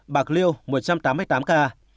bạc liêu một trăm tám mươi tám ca